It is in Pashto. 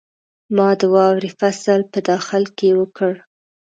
ما د واورې فصل په داخل کې وکړ.